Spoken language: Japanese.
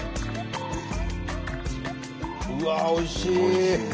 うわおいしい！